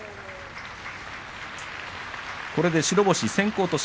これで白星先行です。